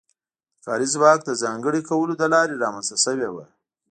د کاري ځواک د ځانګړي کولو له لارې رامنځته شوې وه.